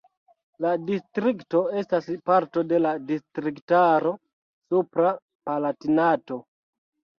La distrikto estas parto de la distriktaro Supra Palatinato.